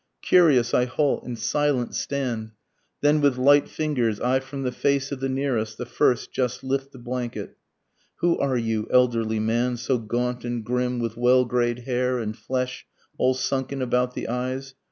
Curious I halt and silent stand, Then with light fingers I from the face of the nearest the first just lift the blanket; Who are you elderly man so gaunt and grim, with well gray'd hair, and flesh all sunken about the eyes?